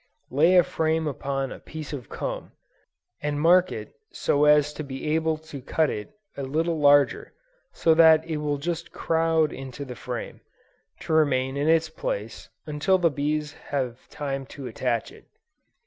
Lay a frame upon a piece of comb, and mark it so as to be able to cut it a trifle larger, so that it will just crowd into the frame, to remain in its place until the bees have time to attach it.